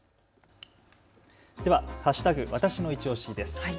では＃わたしのいちオシです。